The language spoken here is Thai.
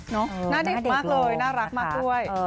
หน้าเด็กมากเลยน่ารักมากด้วย